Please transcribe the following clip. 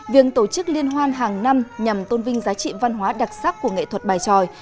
việc tổ chức liên hoan hàng năm nhằm tôn vinh giá trị văn hóa đặc sắc của nghệ thuật bài tròi